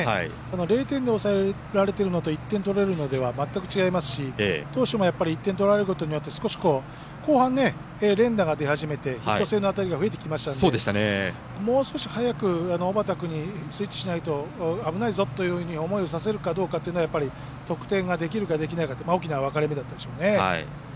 ０点で抑えられてるのと１点取るのとでは全く違いますし投手も１点取られることによって少し後半連打が出始めてヒット性の当たりが増えてきましたのでもう少し早く小畠君にスイッチしないと危ないぞというふうな思いをさせるかどうかというのがやっぱり得点ができるかできないか、大きな分かれ目だったでしょうね。